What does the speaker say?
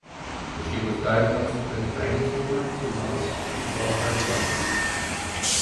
She was diagnosed with brain tumor two months before her death.